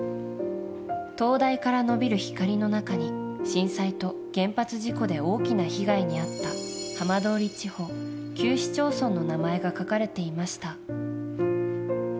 灯台から延びる光の中に震災と原発事故で大きな被害に遭った浜通り地方９市町村の名前が書かれていました。